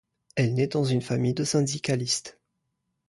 Elle naît dans une famille de syndicalistes.